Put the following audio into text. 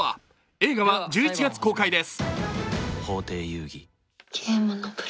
映画は１１月公開です。